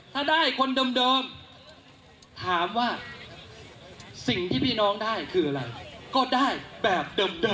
ก็ได้แบบเดิมพี่น้องครับ